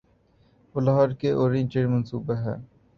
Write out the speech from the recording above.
وہ لاہور کا orange train منصوبہ ہے۔